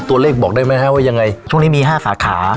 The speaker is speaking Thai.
ตัวเลขบอกได้ไหมครับว่ายังไงช่วงนี้มี๕สาขา